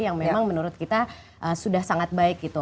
yang memang menurut kita sudah sangat baik gitu